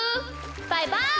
バイバイ！